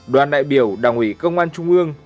đoàn đại biểu đảng ủy công an trung ương